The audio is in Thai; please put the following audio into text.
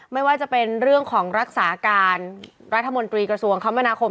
ไม่ว่าจะเป็นเรื่องของรักษาการรัฐมนตรีกระทรวงคมนาคม